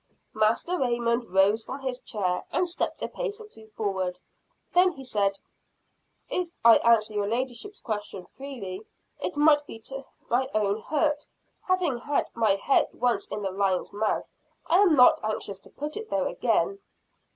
Master Raymond rose from his chair and stepped a pace or two forward. Then he said, "If I answer your ladyship's question freely, it might be to my own hurt. Having had my head once in the lion's mouth, I am not anxious to put it there again."